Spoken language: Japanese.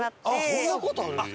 そんな事あるんですか？